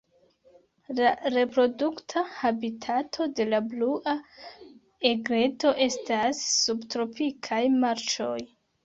La reprodukta habitato de la Blua egreto estas subtropikaj marĉoj.